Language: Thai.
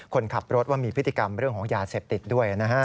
คนขับรถว่ามีพฤติกรรมเรื่องของยาเสพติดด้วยนะฮะ